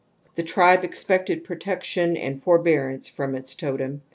The tribe expected protection and forbear ance from its totem.